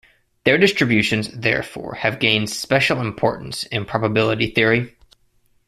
Their distributions therefore have gained "special importance" in probability theory.